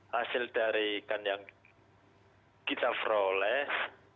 hasil dari ikan yang kita peroleh